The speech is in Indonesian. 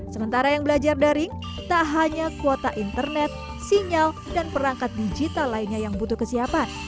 sementara yang belajar daring tak hanya kuota internet sinyal dan perangkat digital lainnya yang butuh kesiapan